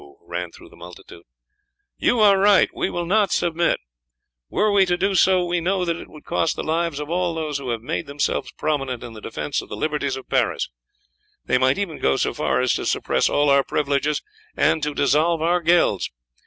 ran through the multitude. "You are right, we will not submit. Were we to do so we know that it would cost the lives of all those who have made themselves prominent in the defence of the liberties of Paris; they might even go so far as to suppress all our privileges and to dissolve our guilds.